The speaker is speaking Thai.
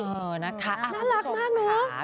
เออนะคะน่ารักมากเนอะ